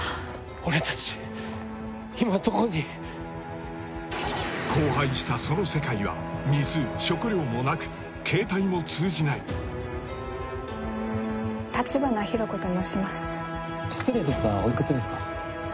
俺たち今どこに荒廃したその世界は水食料もなく携帯も通じない立花弘子と申します失礼ですがおいくつですか？